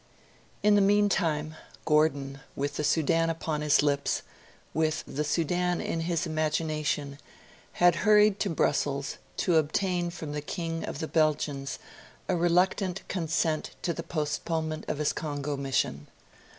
In the meantime, Gordon, with the Sudan upon his lips, with the Sudan in his imagination, had hurried to Brussels, to obtain from the King of the Belgians a reluctant consent to the postponement of his Congo mission.